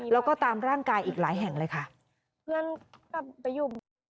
แล้วก็ตามร่างกายอีกหลายแห่งเลยค่ะเพื่อนกลับไปอยู่เหมือนกัน